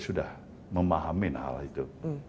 sudah memahamin hal itu